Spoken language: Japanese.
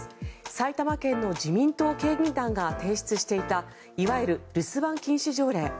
埼玉県の自民党県議団が提出していたいわゆる留守番禁止条例。